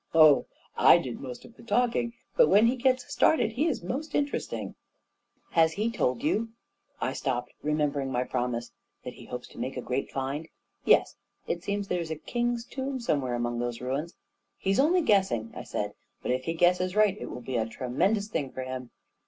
44 Oh, I did most of the talking; but when he gets started, he is most interesting." 44 Has he told you ..." I stopped, remembering my promise. 44 That he hopes to make a great find? Yes. It seems there is a king's tomb somewhere among those ruins." 44 He's only guessing," I said; " but if he guesses right, it will be a tremendous thing for him."